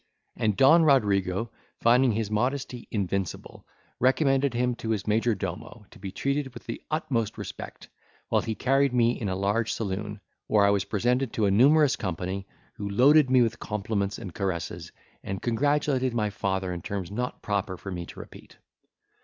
And Don Rodrigo, finding his modesty invincible, recommended him to his major domo, to be treated with the utmost respect; while he carried me in a large saloon, where I was presented to a numerous company, who loaded me with compliments and caresses, and congratulated my father in terms not proper for me to repeat.